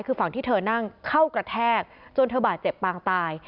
คือฝั่งที่เธอนั่งเข้ากระแทกจนเธอบาดเจ็บปางตาย